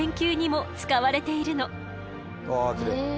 うわきれい。